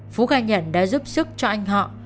phú khai nhận đã giúp sức cho anh họ